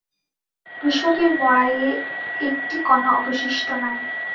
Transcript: কৃষকের মরাইয়ে একটি কণা অবশিষ্ট নাই।